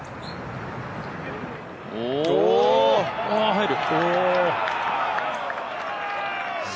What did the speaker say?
入る！